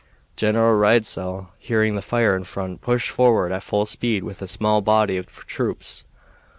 General Reidesel, hearing the fire in front, pushed forward at full speed with a small body of troops.